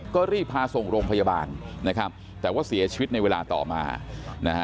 ก็รีบพาส่งโรงพยาบาลนะครับแต่ว่าเสียชีวิตในเวลาต่อมานะฮะ